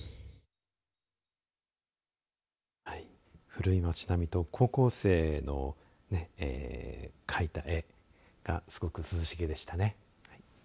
古い町並みと高校生の描いた絵がすごく涼しげでしたね。